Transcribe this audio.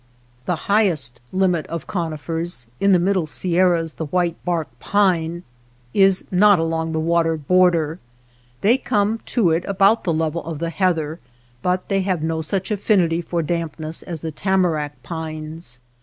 The highest limit of conifers — in the middle Sierras, the white bark pine — is not along the water border. They come to it about the level of the heather, but they have no such affinity for dampness as the tamarack pines.